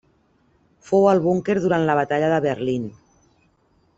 Fou al búnquer durant la Batalla de Berlín.